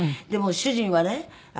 でも主人はね